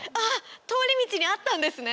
通り道にあったんですね。